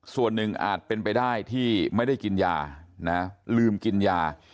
ส่วนหนึ่งอาจเป็นไปได้ที่ไม่ได้กินยานะลืมกินยา